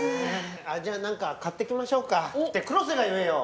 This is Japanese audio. じゃあなんか買ってきましょうか。って黒瀬が言えよ！